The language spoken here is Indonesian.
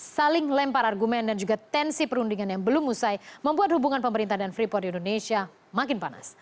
saling lempar argumen dan juga tensi perundingan yang belum usai membuat hubungan pemerintah dan freeport indonesia makin panas